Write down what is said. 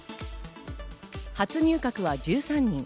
初入閣は１３人。